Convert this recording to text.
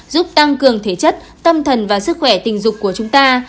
giúp tăng cường thể chất tâm thần và sức khỏe tình dục của chúng ta